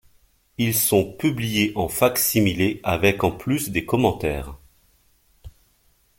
Ils sont publiés en fac-similés avec en plus des commentaires.